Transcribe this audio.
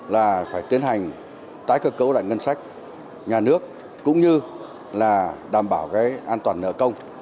là phải tiến hành tái cơ cấu lại ngân sách nhà nước cũng như là đảm bảo cái an toàn nợ công